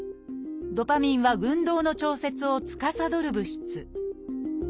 ドパミンは運動の調節をつかさどる物質。